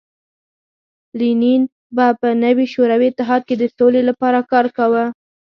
لینین به په نوي شوروي اتحاد کې د سولې لپاره کار کاوه